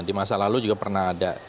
di masa lalu juga pernah ada